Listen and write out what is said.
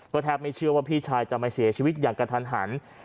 แทบไม่เชื่อว่าพี่ชายจะมาเสียชีวิตอย่างกระทันหัน